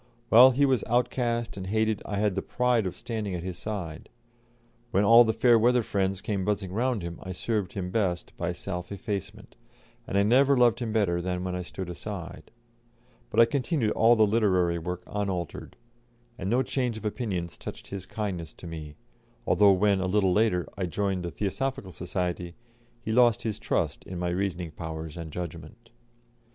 While he was outcast and hated I had the pride of standing at his side; when all the fair weather friends came buzzing round him I served him best by self effacement, and I never loved him better than when I stood aside. But I continued all the literary work unaltered, and no change of opinions touched his kindness to me, although when, a little later, I joined the Theosophical Society, he lost his trust in my reasoning powers and judgment.